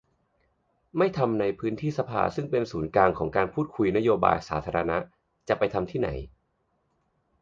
ไม่ทำในพื้นที่สภาซึ่งเป็นศูนย์กลางของการพูดคุยนโยบายสาธารณะ จะไปทำที่ไหน